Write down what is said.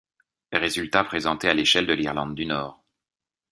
Résultats présentés à l'échelle de l'Irlande du Nord.